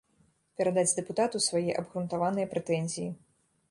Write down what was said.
Перадаць дэпутату свае абгрунтаваныя прэтэнзіі.